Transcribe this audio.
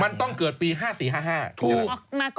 มันต้องเกิดปี๕๔๕๕ถูกไหม